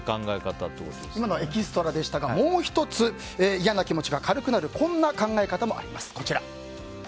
今のはエキストラでしたがもう１つ嫌な気持ちが軽くなるこんな考え方もあります。